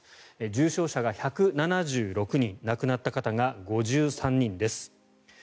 重症者が１７６人亡くなった方が５３人です。